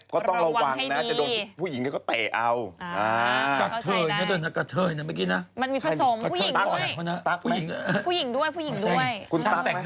ก็ต้องระวังนะจะโดนผู้หญิงก็เตะเอา